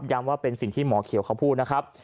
ว่าเป็นสิ่งที่หมอเขียวเขาพูดนะครับ